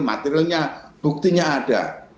materialnya buktinya ada